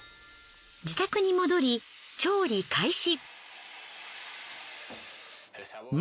自宅に戻り調理開始。